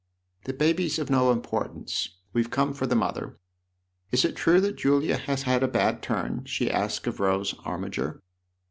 " The baby's of no importance. We've come over 16 THE OTHER HOUSE for the mother. Is it true that Julia has had a bad turn ?" she asked of Rose Armiger.